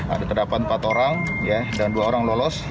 ada terdapat empat orang dan dua orang lolos